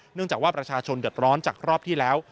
จากว่าประชาชนเดือดร้อนจากรอบที่แล้ว